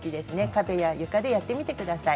壁や床でやってみてください。